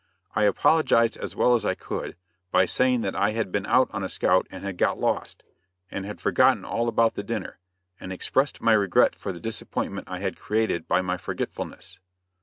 I apologized as well as I could, by saying that I had been out on a scout and had got lost, and had forgotten all about the dinner; and expressed my regret for the disappointment I had created by my forgetfulness.